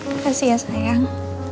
makasih ya sayang